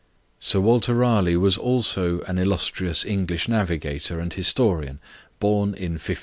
Sir Walter Raleigh was also an illustrious English navigator and historian, born in 1552.